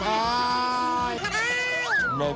โนน้มโน้ม